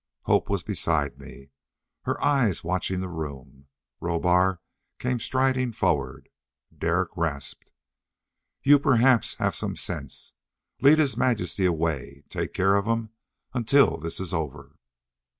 Hope was beside me, her eyes watching the room. Rohbar came striding forward. Derek rasped, "You perhaps have some sense! Lead His Majesty away. Take care of him until this is over."